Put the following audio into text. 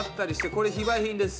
これ非売品です。